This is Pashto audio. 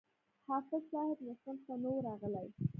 حافظ صاحب نه صنف ته نه وو راغلى.